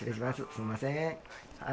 すみませんはい。